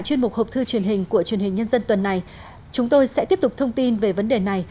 chuyên mục hộp thư truyền hình của truyền hình nhân dân tuần này chúng tôi sẽ tiếp tục thông tin về vấn đề này